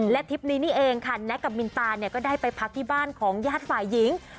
และทริปนี้นี่เองค่ะแน็กกับมินตาเนี่ยก็ได้ไปพักที่บ้านของญาติฝ่ายหญิง